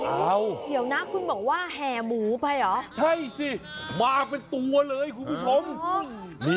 เดี๋ยวนะคุณบอกว่าแห่หมูไปเหรอใช่สิมาเป็นตัวเลยคุณผู้ชม